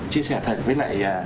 chia sẻ thật với lại